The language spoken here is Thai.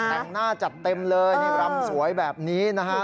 แต่งหน้าจัดเต็มเลยนี่รำสวยแบบนี้นะฮะ